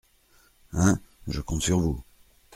Hein ? je compte sur vous.